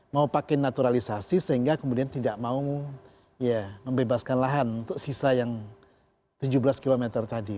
mau pakai naturalisasi sehingga kemudian tidak mau ya membebaskan lahan untuk sisa yang tujuh belas km tadi